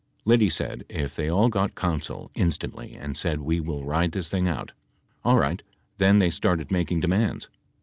Liddy said if they all got counsel instantly and said we will ride this thing out. Alright, then they started making demands.